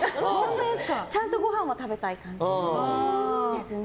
ちゃんとごはんは食べたい感じですね。